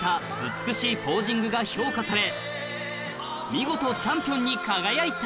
見事チャンピンに輝いた